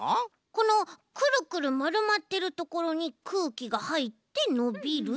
このクルクルまるまってるところにくうきがはいってのびると。